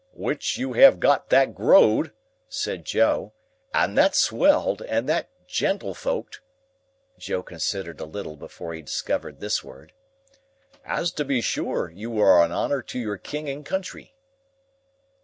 "Which you have that growed," said Joe, "and that swelled, and that gentle folked;" Joe considered a little before he discovered this word; "as to be sure you are a honour to your king and country."